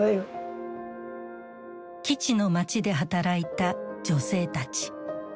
基地の街で働いた女性たち。